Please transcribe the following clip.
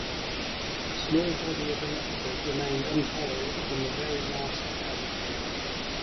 A small body of electors remained unpolled on the very last day.